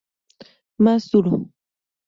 Más maduro.